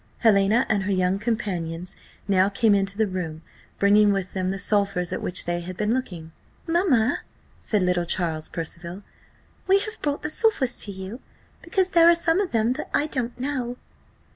Helena and her young companions now came into the room, bringing with them the sulphurs at which they had been looking. "Mamma," said little Charles Percival, "we have brought the sulphurs to you, because there are some of them that I don't know."